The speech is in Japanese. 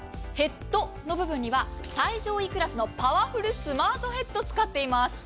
ヘッドの部分には最上位クラスのパワフルスマートヘッドを使っています。